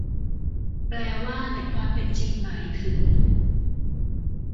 แปลว่า แต่ความเป็นจริงหมายถึง